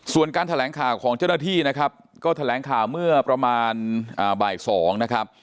ส่วนการแถลงข่าวของเจ้าหน้าที่นะครับก็แถลงข่าวเมื่อประมาณบ่าย๒นะครับ